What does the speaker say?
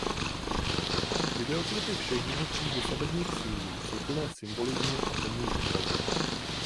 Videoklipy všech jeho tří dosavadních singlů jsou plné symbolismu a temných obrazů.